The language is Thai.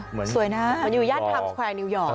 เหมือนอยู่ย่านคัมส์แควร์นิวยอร์ก